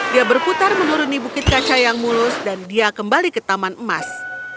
dia berputar menuruni bukit kaca yang mulus dan dia kembali ke taman emas